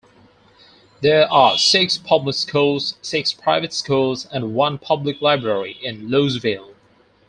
There are six public schools, six private schools, and one Public Library in Louisville.